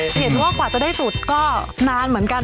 เห็นว่ากว่าจะได้สุดก็นานเหมือนกัน